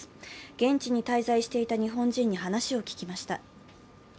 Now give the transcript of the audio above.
現地に滞在していた日本人に話を聞きました。